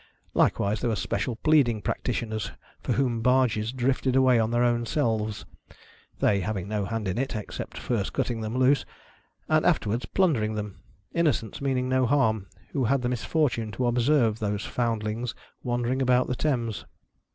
Likewise, there were special plead ing practitioners, for whom barges "drifted away of their own selves "— they having no hand in it, except first cutting them loose, and afterwards plundering them — innocents, meaning no harm, who had the misfortune to observe those foundlings wandering about the Thames.